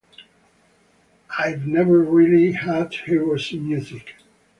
Ive never really had heroes in music.